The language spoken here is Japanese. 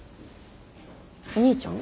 お兄ちゃん？